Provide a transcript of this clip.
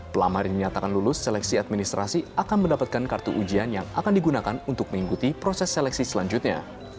pelamar yang menyatakan lulus seleksi administrasi akan mendapatkan kartu ujian yang akan digunakan untuk mengikuti proses seleksi selanjutnya